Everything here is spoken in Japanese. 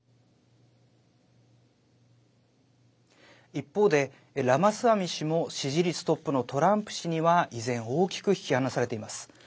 一方で、ラマスワミ氏も支持率トップのトランプ氏には依然、大きく引き離されています。